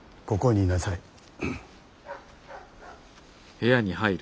ここにいなさい。